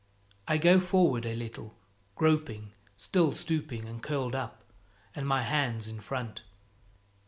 I go forward a little, groping, still stooping and curled up, and my hands in front.